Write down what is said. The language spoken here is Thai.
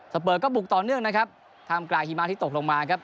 เปอร์ก็บุกต่อเนื่องนะครับท่ามกลางหิมะที่ตกลงมาครับ